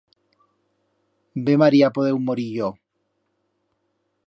Be m'haría podeu morir yo.